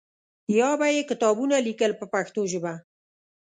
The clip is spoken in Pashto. یا به یې کتابونه لیکل په پښتو ژبه.